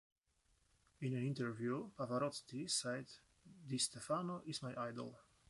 In an interview Pavarotti said Di Stefano is my idol.